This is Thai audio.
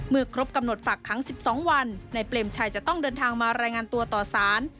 ครบกำหนดฝากขัง๑๒วันนายเปรมชัยจะต้องเดินทางมารายงานตัวต่อสาร